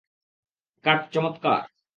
কাট, চমৎকার।